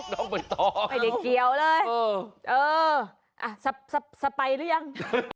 น้องเป็นทองเออสเปยรึยัง